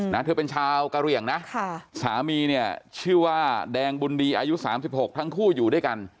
เธอเป็นชาวกะเหลี่ยงนะค่ะสามีเนี่ยชื่อว่าแดงบุญดีอายุสามสิบหกทั้งคู่อยู่ด้วยกัน